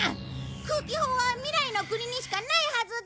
空気砲は未来の国にしかないはずだ！